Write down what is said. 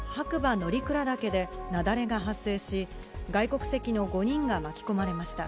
乗鞍岳で雪崩が発生し、外国籍の５人が巻き込まれました。